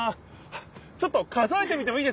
ちょっと数えてみてもいいですか？